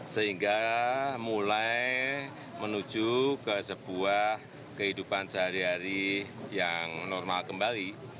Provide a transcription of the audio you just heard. sehingga mulai menuju ke sebuah kehidupan sehari hari yang normal kembali